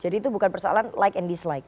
jadi itu bukan persoalan like and dislike